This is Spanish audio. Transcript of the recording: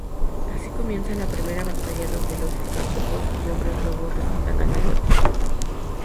Así comienza la primera batalla donde los licántropos y hombres lobo resultan ganadores.